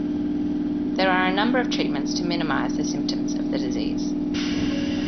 There are a number of treatments to minimize the symptoms of the disease.